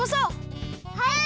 はい！